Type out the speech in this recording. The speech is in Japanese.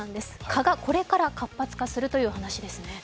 蚊がこれから活発化するという話ですね。